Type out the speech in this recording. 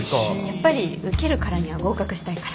やっぱり受けるからには合格したいから。